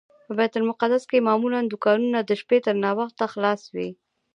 په بیت المقدس کې معمولا دوکانونه د شپې تر ناوخته خلاص وي.